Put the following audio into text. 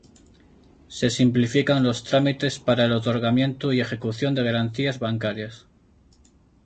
Se simplifican los trámites para el otorgamiento y ejecución de garantías bancarias.